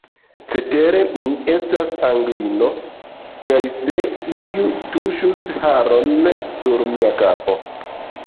Cetere, mi estas Anglino, kaj se iu tuŝus haron sur mia kapo!